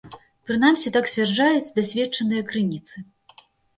Прынамсі, так сцвярджаюць дасведчаныя крыніцы.